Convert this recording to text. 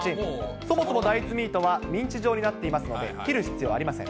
そもそも大豆ミートはミンチ状になっていますので、切る必要ありません。